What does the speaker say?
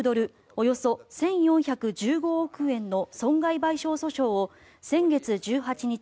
およそ１４１５億円の損害賠償訴訟を先月１８日